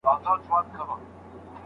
که موږ ورسره ښه چلند وکړو